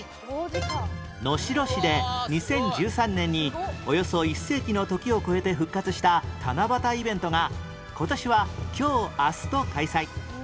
能代市で２０１３年におよそ１世紀の時を超えて復活した七夕イベントが今年は今日明日と開催